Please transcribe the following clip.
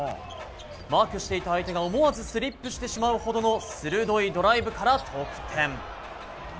マークしていた相手が思わずスリップしてしまうほどの鋭いドライブから得点。